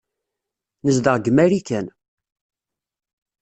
Nezdeɣ deg Marikan.